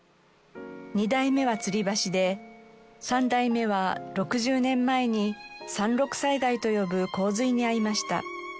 ２代目はつり橋で３代目は６０年前に「三六災害」と呼ぶ洪水に遭いました。